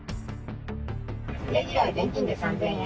レギュラー現金で３０００円。